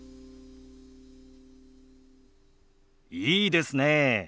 いいですね。